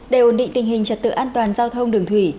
để ổn định tình hình trật tự an toàn giao thông đường thủy